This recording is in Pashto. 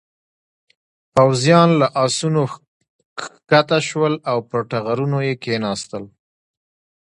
پوځيان له آسونو کښته شول او پر ټغرونو یې کېناستل.